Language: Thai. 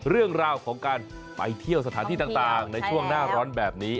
เรื่องราวของการไปเที่ยวสถานที่ต่างในช่วงหน้าร้อนแบบนี้